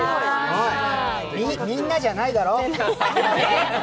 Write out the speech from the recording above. みんなじゃないだろ。